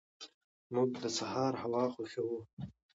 موږ د سهار هوا خوښو.